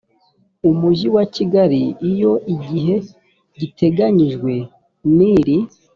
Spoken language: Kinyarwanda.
umujyi wa kigali iyo igihe giteganyijwe n iri